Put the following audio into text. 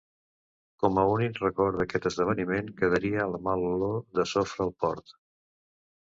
Com a únic record d'aquest esdeveniment quedaria la mala olor de sofre al port.